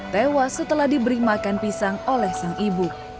tewas setelah diberi makan pisang oleh sang ibu